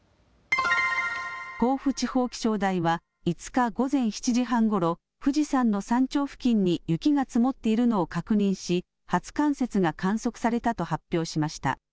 甲府地方気象台は５日午前７時半ごろ富士山の山頂付近に雪が積もっているのを確認し初冠雪が観測されたと発表しました。